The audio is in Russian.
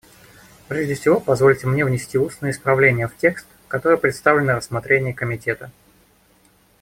Прежде всего позвольте мне внести устное исправление в текст, который представлен на рассмотрение Комитета.